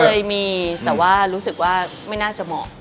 เคยมีแต่ว่ารู้สึกว่าไม่น่าจะเหมาะ